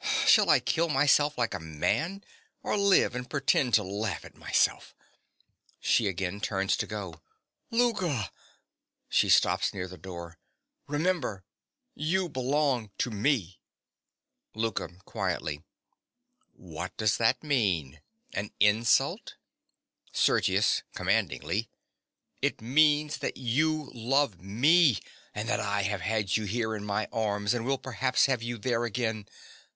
Shall I kill myself like a man, or live and pretend to laugh at myself? (She again turns to go.) Louka! (She stops near the door.) Remember: you belong to me. LOUKA. (quietly). What does that mean—an insult? SERGIUS. (commandingly). It means that you love me, and that I have had you here in my arms, and will perhaps have you there again.